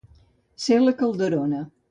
Ser la Calderona.